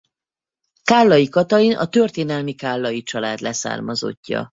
Kállay Katalin a történelmi Kállay család leszármazottja.